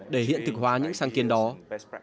để hiện thực hoạt động bảo hiểm xã hội